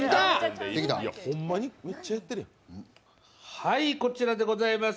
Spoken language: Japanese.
はい、こちらでございます。